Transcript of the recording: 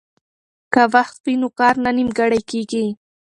که وخت وي نو کار نه نیمګړی کیږي.